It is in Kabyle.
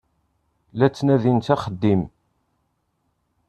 La ttnadint axeddim.